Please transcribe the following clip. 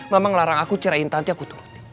mama ngelarang aku cerain tanti aku turuti